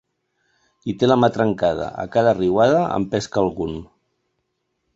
Hi té la mà trencada, a cada riuada en pesca algun.